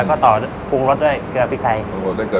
ต่อวานซักน้ำเครื่องเส้นเนอะแหละมาเลย